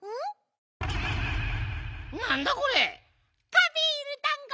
カビールだんご。